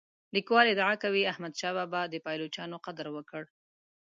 لیکوال ادعا کوي احمد شاه بابا د پایلوچانو قدر وکړ.